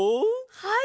はい！